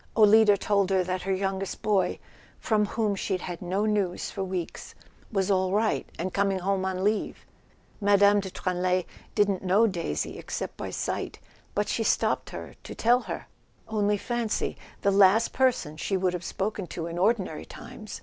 Olida told her that her youngest boy, from whom she'd had no news for weeks, was all right, and coming home on leave. Mme. de Tranlay didn't know Daisy, except by sight, but she stopped her to tell her. Only fancy—the last per¬ son she would have spoken to in ordinary times!